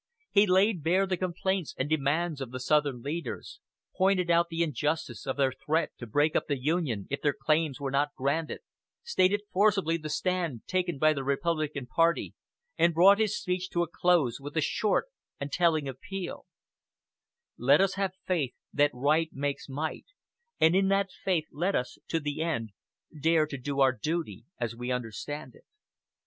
He laid bare the complaints and demands of the Southern leaders, pointed out the injustice of their threat to break up the Union if their claims were not granted, stated forcibly the stand taken by the Republican party, and brought his speech to a close with the short and telling appeal: "Let us have faith that right makes might, and in that faith let us, to the end, dare to do our duty as we understand it."